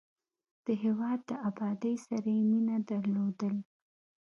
د هېواد د ابادۍ سره یې مینه درلودل.